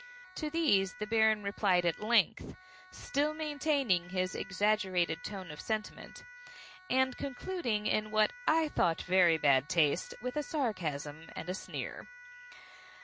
To these the Baron replied at length (still maintaining his exaggerated tone of sentiment) and concluding, in what I thought very bad taste, with a sarcasm and a sneer.